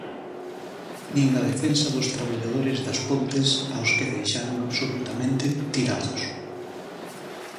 Nin na defensa dos traballadores das Pontes, aos que deixaron absolutamente tirados.